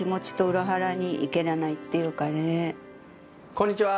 こんにちは！